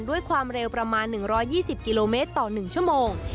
ด้วยความเร็วประมาณ๑๒๐กิโลเมตรต่อ๑ชั่วโมง